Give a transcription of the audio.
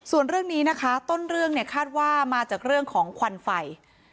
ส่วนเรื่องนี้นะคะต้นเรื่องเนี่ยคาดว่ามาจากเรื่องของควันไฟ